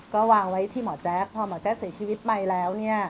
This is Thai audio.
ก็วางไว้ที่หมอแจ๊คพอหมอแจ๊กเสียชีวิตไปแล้วเนี่ย